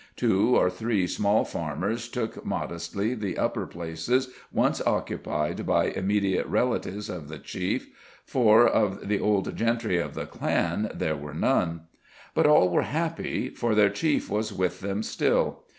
Two or three small farmers took modestly the upper places once occupied by immediate relatives of the chief, for of the old gentry of the clan there were none. But all were happy, for their chief was with them still.